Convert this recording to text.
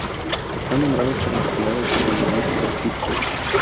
Está nombrado por la ciudad estadounidense de Pittsburgh.